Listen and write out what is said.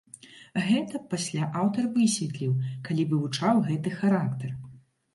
Гэта пасля аўтар высветліў, калі вывучаў гэты характар.